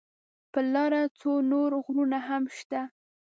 پر لاره څو نور غرونه هم شته.